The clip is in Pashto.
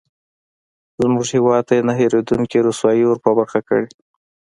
زموږ هېواد ته یې نه هېرېدونکې رسوایي ورپه برخه کړې.